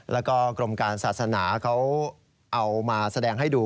แล้วก็กรมการศาสนาเขาเอามาแสดงให้ดู